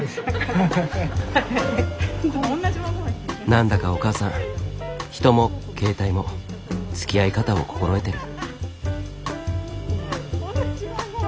何だかお母さん人も携帯もつきあい方を心得てる。